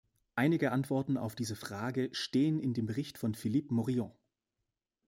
Einige Antworten auf diese Frage stehen in dem Bericht von Philippe Morillon.